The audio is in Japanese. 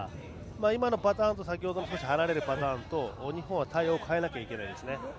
今のパターンと先ほど少し離れるパターンと日本は対応を変えなきゃいけないですね。